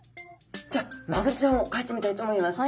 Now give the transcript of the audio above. じゃあマグロちゃんをかいてみたいと思います。